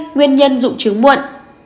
hai nguyên nhân dụng trứng muộn